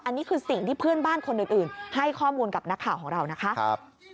อันนี้คือสิ่งที่เพื่อนบ้านคนอื่นให้ข้อมูลกับนักข่าวของเรานะคะ